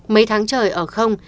mấy tháng trời ở không